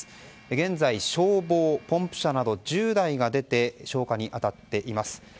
現在、消防、ポンプ車など１０台が出て消火に当たっています。